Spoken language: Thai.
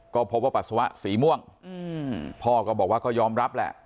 ก็พบว่าปัสสาวะสีม่วงพ่อก็บอกว่าก็ยอมรับแหละ